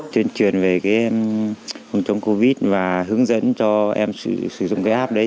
tuyên truyền về cái phòng chống covid và hướng dẫn cho em sử dụng cái app đấy